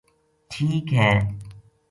ٹھیک ہے‘‘